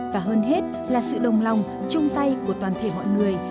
và hơn hết là sự đồng lòng chung tay của toàn thể mọi người